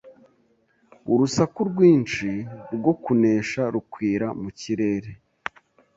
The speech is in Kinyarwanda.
urusaku rwinshi rwo kunesha rukwira mu kirere